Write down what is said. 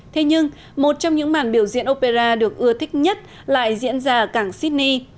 thế nhưng một trong những màn biểu diễn opera được ưa thích nhất lại diễn ra ở cảng sydney